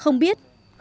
không giải quyết